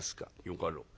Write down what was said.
「よかろう。